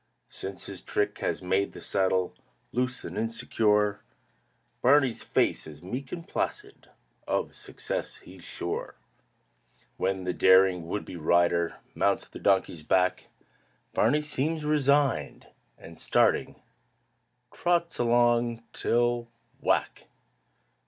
Since his trick has made the saddle Loose and insecure, Barney's face is meek and placid, Of success he's sure. When the daring would be rider Mounts the donkey's back, Barney seems resigned: and starting, Trots along till Whack!